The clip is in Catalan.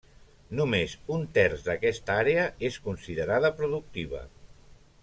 Només un terç d'aquesta àrea és considerada productiva.